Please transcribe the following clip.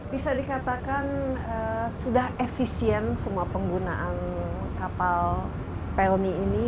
bisa dikatakan sudah efisien semua penggunaan kapal pelni ini